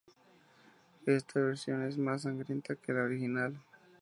Esta versión es más sangrienta que la original.